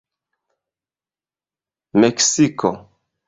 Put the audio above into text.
meksiko